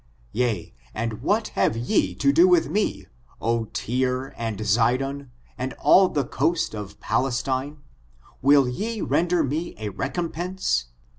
Yea, and what have ye to do with me, O Tyie and Zidon, and all the coast of Palestine ? will ye render me a recompense?